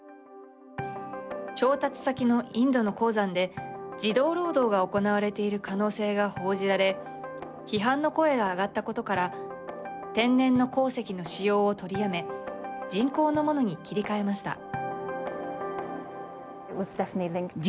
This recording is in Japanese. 調達先のインドの鉱山で児童労働が行われている可能性が報じられ批判の声が上がったことから天然の鉱石の使用を取りやめ人工のものに切り替えました。